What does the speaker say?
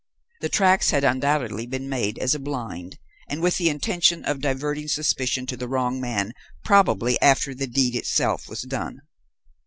The tracks had undoubtedly been made as a blind and with the intention of diverting suspicion to the wrong man probably after the deed itself was done.